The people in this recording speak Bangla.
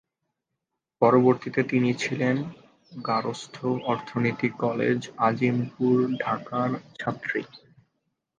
পরবর্তীতে তিনি ছিলেন গার্হস্থ্য অর্থনীতি কলেজ, আজিমপুর, ঢাকার ছাত্রী।